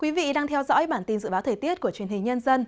quý vị đang theo dõi bản tin dự báo thời tiết của truyền hình nhân dân